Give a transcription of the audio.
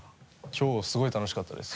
きょうすごい楽しかったです。